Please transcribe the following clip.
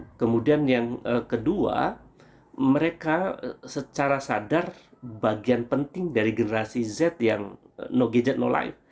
dan kemudian yang kedua mereka secara sadar bagian penting dari generasi z yang no gadget no life